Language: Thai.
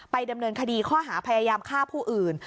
ดำเนินคดีข้อหาพยายามฆ่าผู้อื่น